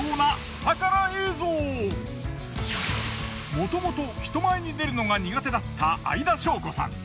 もともと人前に出るのが苦手だった相田翔子さん。